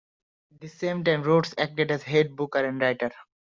At the same time, Rhodes acted as head booker and writer.